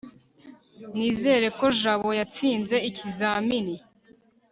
nizere ko jabo yatsinze ikizamini